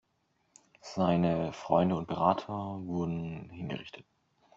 Seine Freunde und Berater wurden hingerichtet.